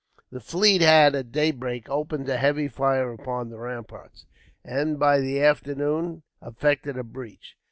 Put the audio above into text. The fleet had, at daybreak, opened a heavy fire upon the ramparts; and by the afternoon effected a breach.